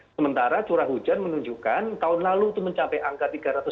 sementara curah hujan menunjukkan tahun lalu itu mencapai angka tiga ratus tujuh puluh tujuh